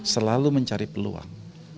selalu mencari peluang